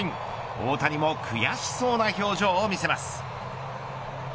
大谷も悔しそうな表情を見せます。